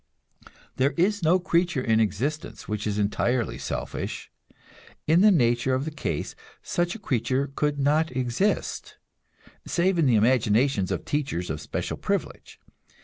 There is no creature in existence which is entirely selfish; in the nature of the case such a creature could not exist save in the imaginations of teachers of special privilege.